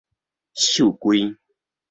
繡櫃